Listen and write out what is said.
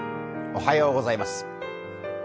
おはようございます。